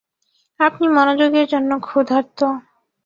আপনি মনোযোগের জন্য ক্ষুধার্ত।